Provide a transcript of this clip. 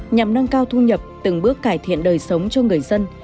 nhằm nâng cao thu nhập từng bước cải thiện đời sống cho người dân